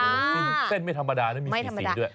เส้นไม่ธรรมดานะมีสีด้วย